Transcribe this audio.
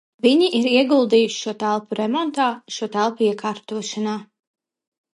Viņi ir ieguldījuši šo telpu remontā, šo telpu iekārtošanā.